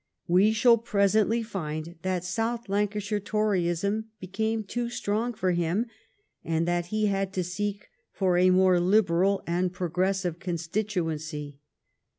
We shall pres ently find that South Lancashire Toryism be came too strong for him, and that he had to seek for a more liberal and progressive constitu ency.